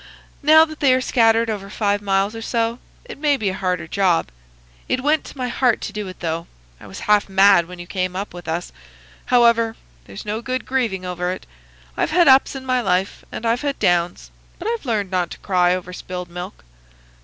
Now that they are scattered over five miles or so, it may be a harder job. It went to my heart to do it, though. I was half mad when you came up with us. However, there's no good grieving over it. I've had ups in my life, and I've had downs, but I've learned not to cry over spilled milk."